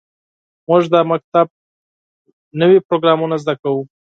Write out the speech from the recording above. موږ د مکتب نوې پروګرامونه زده کوو.